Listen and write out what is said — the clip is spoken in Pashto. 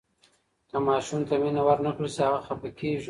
که ماشوم ته مینه ورنکړل شي، هغه خفه کیږي.